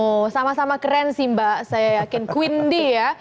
oh sama sama keren sih mbak saya yakin queen d ya